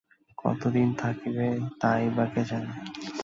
কতদিন থাকিবে তাই বা কে জানে।